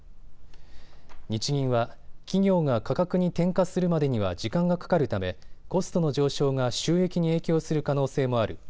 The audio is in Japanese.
日銀は企業が価格に転嫁するまでには時間がかかるためコストの上昇が収益に影響する可能性もある。